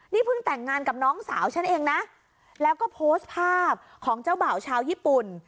นี่เพิ่งแต่งงานกับน้องสาวฉันเองนะแล้วก็โพสต์ภาพของเจ้าบ่าวชาวญี่ปุ่น